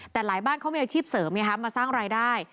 แต่หลายบ้านเขามีอาชีพเสริมมาสร้างรายได้